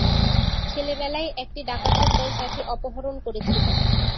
ছেলেবেলায় একটি ডাকাতের দল তাকে অপহরণ করেছিল।